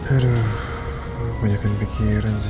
aduh banyak yang pikirin sih